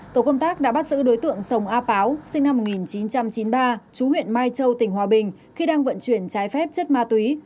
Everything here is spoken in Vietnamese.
tổ công tác đã bắt giữ đối tượng sông a páo sinh năm một nghìn chín trăm chín mươi ba chú huyện mai châu tỉnh hòa bình khi đang vận chuyển trái phép chất ma túy